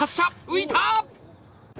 浮いた！